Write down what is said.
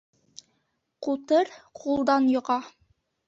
Ҡутыр ҡулдан йоға